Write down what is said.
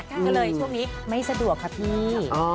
ก็เลยช่วงนี้ไม่สะดวกค่ะพี่